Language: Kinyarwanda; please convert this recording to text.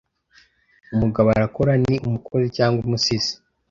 umugabo arakora ni umukozi cyangwa umusizi